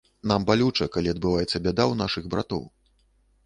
Нам балюча, калі адбываецца бяда ў нашых братоў.